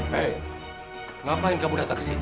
hei ngapain kamu datang ke sini